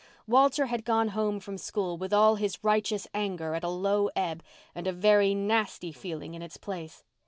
Walter had gone home from school with all his righteous anger at a low ebb and a very nasty feeling in its place.